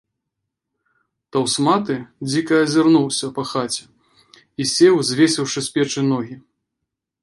Таўсматы дзіка азірнуўся па хаце і сеў, звесіўшы з печы ногі.